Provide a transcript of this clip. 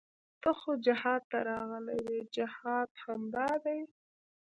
ته خو جهاد ته راغلى وې جهاد همدا دى.